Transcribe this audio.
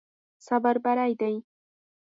صبر بری دی.